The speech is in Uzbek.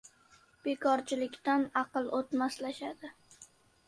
• Bekorchilikdan aql o‘tmaslashadi.